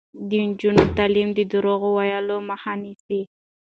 د نجونو تعلیم د درواغو ویلو مخه نیسي.